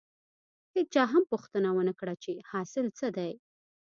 هېچا هم پوښتنه ونه کړه چې حاصل څه دی.